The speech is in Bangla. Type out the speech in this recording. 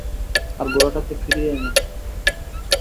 আর ঘোড়াটাকে ফিরিয়ে এনো।